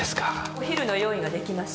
お昼の用意ができました。